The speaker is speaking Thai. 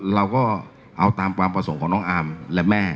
เราก็เอาตามความประสงค์ของน้องอาร์มและแม่